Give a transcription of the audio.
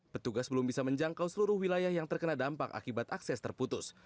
petugas belum bisa menjangkau seluruh wilayah yang terkena dampak akibat akses terputus